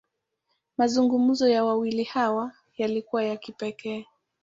Mazungumzo ya wawili hawa, yalikuwa ya kipekee.